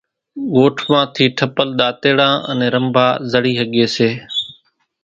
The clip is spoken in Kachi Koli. ڳوٺ مان ٿِي ٺپل ۮاتيڙان انين رنڀا زڙِي ۿڳيَ سي۔